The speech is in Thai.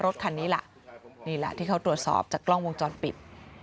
รถคันนี้ล่ะนี่แหละที่เขาตรวจสอบจากกล้องวงจรปิด